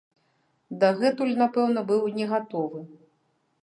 Дагэтуль, напэўна, быў негатовы.